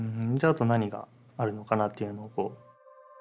あと何があるのかなっていうのをこう。